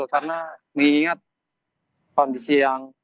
karena mengingat kondisi yang